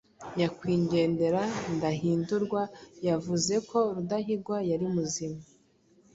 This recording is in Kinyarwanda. nyakwigendera Ndahindurwa yavuze ko Rudahigwa yarimuzima